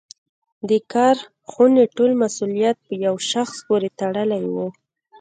د کارخونې ټول مسوولیت په یوه شخص پورې تړلی و.